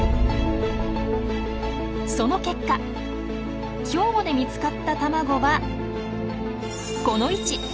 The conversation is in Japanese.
その結果兵庫で見つかった卵はこの位置。